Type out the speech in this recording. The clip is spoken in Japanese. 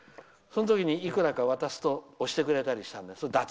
そのときに、いくらか渡すと押してくれたりしたんだよ。